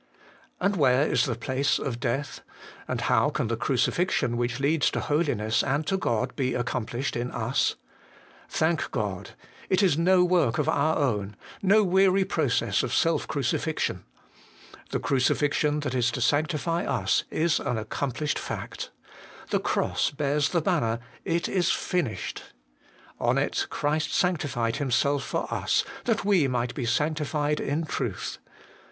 1 And where is the place of death ? And how can the crucifixion which leads to Holiness and to God be accomplished in us ? Thank God ! it is no work of our own, no weary process of self crucifixion. The crucifixion that is to sanctify us is an accom 1 See Note D. 154 HOLY IN CHRIST. plished fact. The cross bears the banner, 'It is finished.' On it Christ sanctified Himself for us, that we might be sanctified in truth.